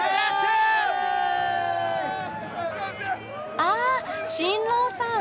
あ新郎さん。